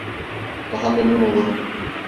Daha memnun olurum!